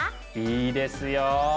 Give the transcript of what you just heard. いいですよ。